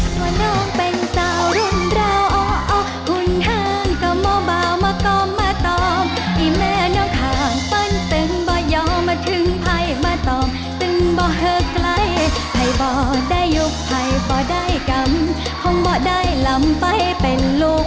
โชว์น้องเป็นสาวรุ่นราวอ๋ออ๋อหุ่นห้างก็มองเบามาก้อมมาตอบอีแม่น้องขางปั้นตึงบ่อยอมมาถึงไพ่มาตอบตึงบ่เหอะไกลไพ่บ่ได้ยุคไพ่บ่ได้กรรมคงบ่ได้ลำไปเป็นลูก